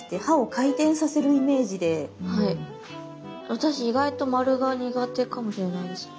私意外と丸が苦手かもしれないです。